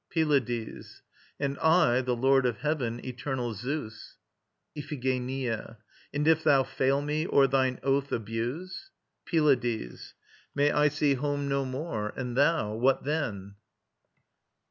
PYLADES. And I the Lord of Heaven, eternal Zeus. IPHIGENIA. And if thou fail me, or thine oath abuse ...? PYLADES. May I see home no more. And thou, what then?